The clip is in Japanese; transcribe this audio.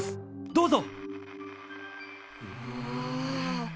どうぞ。